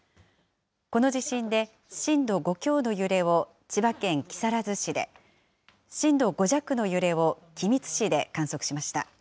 この地震で、震度５強の揺れを千葉県木更津市で、震度５弱の揺れを君津市で観測しました。